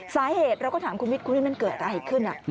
สาเหตุเราก็ถามคุณวิทย์คุณวิทย์มันเกิดอะไรขึ้น